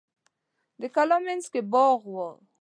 د کلا مینځ کې باغ و.